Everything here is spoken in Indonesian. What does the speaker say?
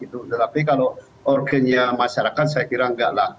tetapi kalau urgentnya masyarakat saya kira nggak lah